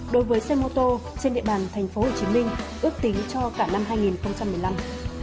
đối với xe mô tô trên địa bàn tp hcm ước tính cho cả năm hai nghìn một mươi năm